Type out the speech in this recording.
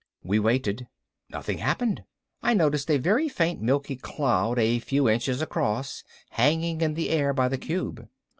We waited. Nothing happened. I noticed a very faint milky cloud a few inches across hanging in the air by the cube.